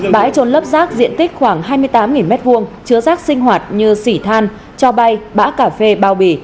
bãi trôn lấp rác diện tích khoảng hai mươi tám m hai chứa rác sinh hoạt như xỉ than cho bay bã cà phê bao bì